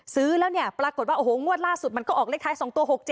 ซื้อแล้วเนี่ยปรากฏว่าโอ้โหงวดล่าสุดมันก็ออกเลขท้าย๒ตัว๖๗